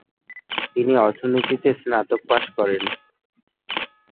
তিনি অর্থনীতিতে স্নাতক পাস করেন।